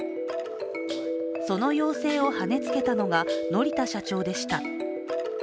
その要請をはねつけたのが、乗田社長でした。